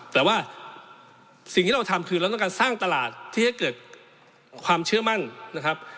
แต่ว่าสิ่งที่เราทำคือเราต้องการสร้างตลาดที่ให้เกิดความเชื่อมั่นนะครับ